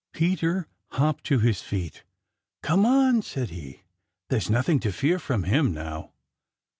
Peter hopped to his feet. "Come on," said he. "There's nothing to fear from him now."